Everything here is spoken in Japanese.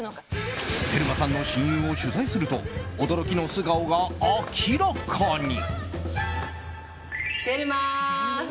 テルマさんの親友を取材すると驚きの素顔が明らかに！